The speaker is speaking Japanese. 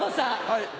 はい。